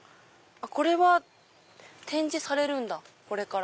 これは展示されるんだこれから。